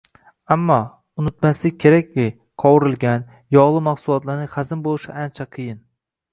Ammo, unutmaslik kerakki, qovurilgan, yogʻli mahsulotlarning hazm boʻlishi ancha qiyin.